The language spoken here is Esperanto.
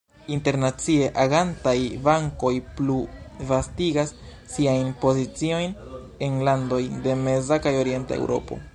Internacie agantaj bankoj plu vastigas siajn poziciojn en landoj de meza kaj orienta Eŭropo.